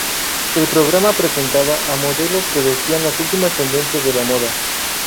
El programa presentaba a modelos que vestían las últimas tendencias de la moda.